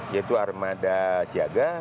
yaitu armada siaga